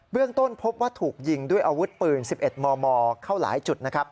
เรื่องต้นพบว่าถูกยิงด้วยอาวุธปืน๑๑มมเข้าหลายจุดนะครับ